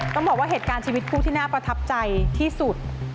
ต้องบอกว่าเหตุการณ์ชีวิตคู่ที่น่าประทับใจที่สุด